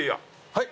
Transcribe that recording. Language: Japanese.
はい。